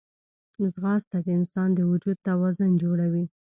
ځغاسته د انسان د وجود توازن جوړوي